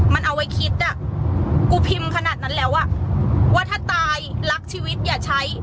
มันเอาไว้คิดอ่ะกูพิมพ์ขนาดนั้นแล้วอ่ะว่าถ้าตายรักชีวิตอย่าใช้